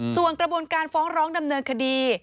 ส่วนกระบวนการฟ้องร้องดำเนินคดี